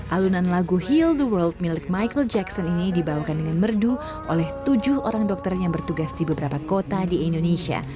alunan lagu hill the world milik michael jackson ini dibawakan dengan merdu oleh tujuh orang dokter yang bertugas di beberapa kota di indonesia